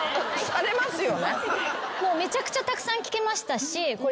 めちゃくちゃたくさん聞けましたし。